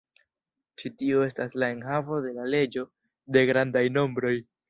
Ĉi tio estas la enhavo de la leĝo de grandaj nombroj.